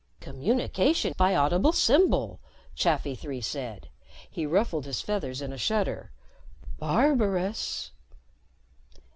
"Communication by audible symbol," Chafi Three said. He ruffled his feathers in a shudder. "Barbarous!"